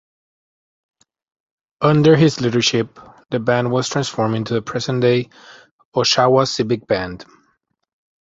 Under his leadership, the band was transformed into the present-day Oshawa Civic Band.